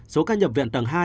số ca nhập viện tầng hai